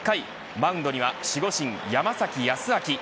マウンドには守護神、山崎康晃。